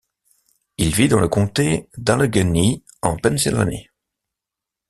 Il vit dans le comté d'Allegheny en Pennsylvanie.